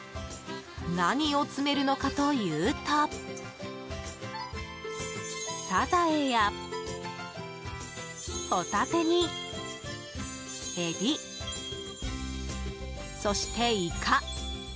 何を詰めるのかというとサザエやホタテにエビ、そしてイカ。